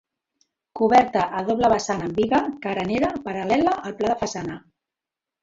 Coberta a doble vessant amb biga carenera paral·lela al pla de façana.